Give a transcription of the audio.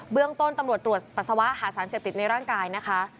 เรื่องต้นตำรวจตรวจปัสสาวะหาสารเสพติดในร่างกายนะคะ